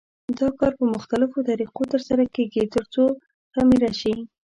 دا کار په مختلفو طریقو تر سره کېږي ترڅو خمېره شي.